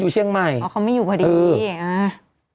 อ๋อเขาไม่อยู่พอดี